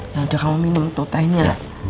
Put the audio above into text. ya udah kamu minum tuh tehnya